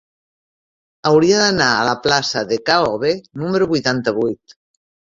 Hauria d'anar a la plaça de K-obe número vuitanta-vuit.